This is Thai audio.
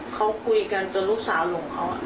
เขาคุยกันจนลูกสาวหลงเขา